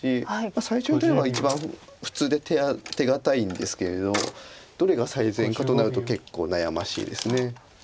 最初の手は一番普通で手堅いんですけれどどれが最善かとなると結構悩ましいです。